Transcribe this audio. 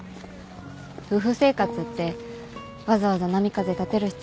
夫婦生活ってわざわざ波風立てる必要ない。